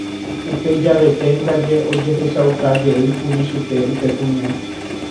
Upe javete ndaje ojehechaukajeýkuri chupe upe kuña